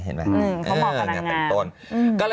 เห็นมั้ยเขาบอกว่านางงาม